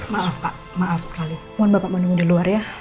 maaf pak maaf sekali mohon bapak menunggu di luar ya